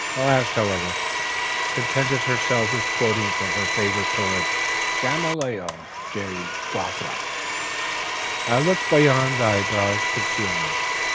The last, however, contented herself with quoting from her favorite poet Gamaliel J. Gawthrop: "'I look beyond thy brow's concealment!